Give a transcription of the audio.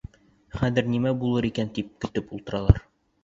Хәҙер нимә булыр икән, тип көтөп ултыралар.